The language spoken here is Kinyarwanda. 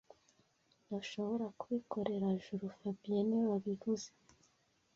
Ntushobora kubikorera Juru fabien niwe wabivuze